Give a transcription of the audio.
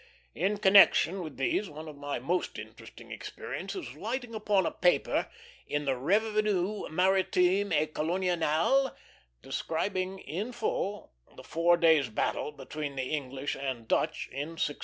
In connection with these one of my most interesting experiences was lighting upon a paper in the Revue Maritime et Coloniale, describing in full the Four Days' battle between the English and Dutch in 1666.